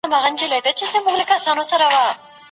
د نساجۍ فابریکه هره ورځ کار کوي.